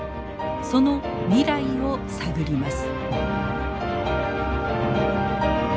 その未来を探ります。